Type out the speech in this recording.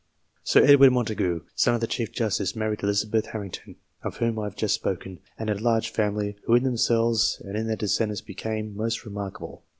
Sir Edward Montagu, son of the Chief Justice, married Elizabeth Harrington, of whom I have just spoken, and had a large family, who in themselves and in their descendants became most remarkable.